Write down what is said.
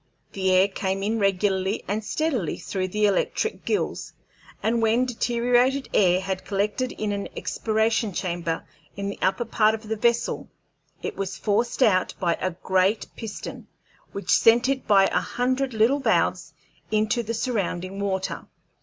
The air came in regularly and steadily through the electric gills, and when deteriorated air had collected in the expiration chamber in the upper part of the vessel, it was forced out by a great piston, which sent it by a hundred little valves into the surrounding water.